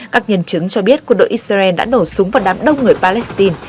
các nhân chứng cho biết quân đội israel đã nổ súng vào đám đông người palestine